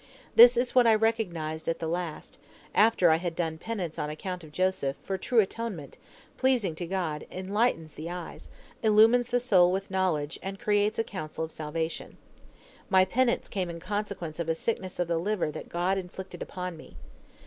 This is what I recognized at the last, after I had done penance on account of Joseph, for true atonement, pleasing to God, enlightens the eyes, illumines the soul with knowledge, and creates a counsel of salvation. My penance came in consequence of a sickness of the liver that God inflicted upon me.